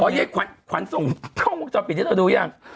โอ้ยไอ้ขวัญขวัญส่งท่องชอบปิดให้เธอดูอย่าง